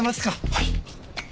はい。